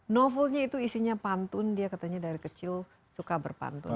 novelnya itu isinya pantun dia katanya dari kecil suka berpantun